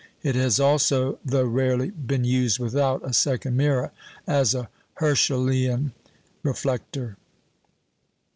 It has also, though rarely, been used without a second mirror, as a "Herschelian" reflector.